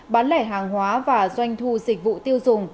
bán lẻ hàng hóa và doanh thu dịch vụ tiêu dùng